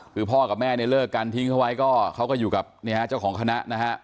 คือพ่อกับแม่เนี่ยเลิกกันทิ้งเขาไว้ก็เขาก็อยู่กับเจ้าของคณะนะฮะ